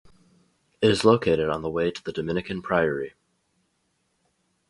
It is located on the way to the Dominican Priory.